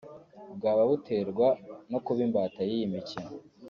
bwaba buterwa no kuba imbata y’iyi mikino